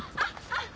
あっ！